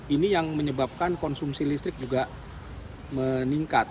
ini yang menyebabkan konsumsi listrik juga meningkat